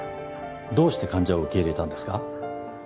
どうして患者を受け入れたんですか？